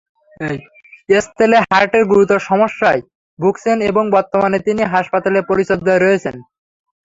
এস্তেলে হার্টের গুরুতর সমস্যায় ভুগছেন এবং বর্তমানে তিনি হাসপাতালের পরিচর্যায় রয়েছেন।